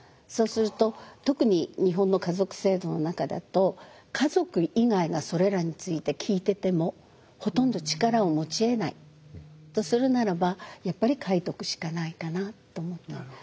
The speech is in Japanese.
そうすると特に日本の家族制度の中だと家族以外がそれらについて聞いててもほとんど力を持ち得ないとするならばやっぱり書いとくしかないかなと思って。